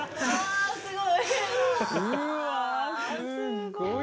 すごい。